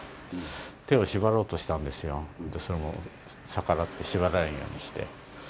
手を縛ろうとしたんですよ、それを逆らって縛られないようにして。